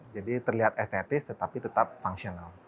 jadi terlihat estetis tetapi tetap fungsional